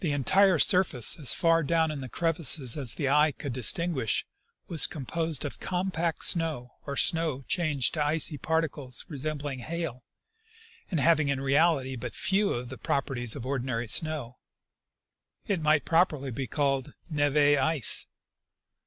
127 entire surface, and as far down in the crevasses as the eye could distinguish, was composed of compact snow, or snow changed to icy particles resembling hail and having in reality but few of the properties of ordinary snow : it might properly be called neve ice.